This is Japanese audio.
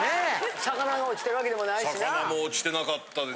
魚が落ちてるわけでもないしな。